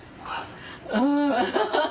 うん。